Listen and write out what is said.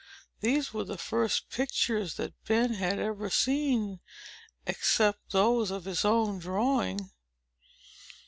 These were the first pictures that Ben had ever seen, except those of his own drawing.